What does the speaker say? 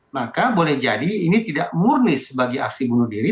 maka boleh jadi ini tidak murni sebagai aksi bunuh diri